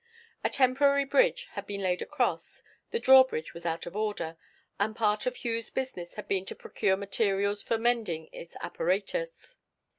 A temporary bridge had been laid across; the drawbridge was out of order, and part of Hugh's business had been to procure materials for mending its apparatus.